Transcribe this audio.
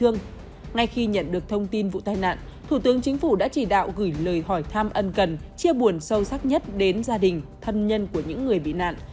ngay khi nhận được thông tin vụ tai nạn thủ tướng chính phủ đã chỉ đạo gửi lời hỏi thăm ân cần chia buồn sâu sắc nhất đến gia đình thân nhân của những người bị nạn